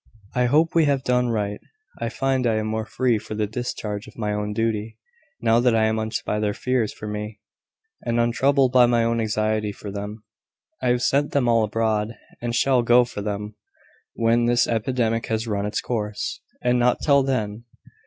I hope we have done right. I find I am more free for the discharge of my own duty, now that I am unchecked by their fears for me, and untroubled by my own anxiety for them. I have sent them all abroad, and shall go for them when this epidemic has run its course; and not till then.